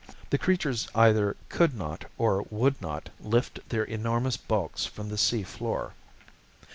The creatures either could not or would not lift their enormous bulks from the sea floor.